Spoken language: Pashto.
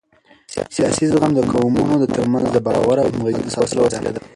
سیاسي زغم د قومونو ترمنځ د باور او همغږۍ د ساتلو وسیله ده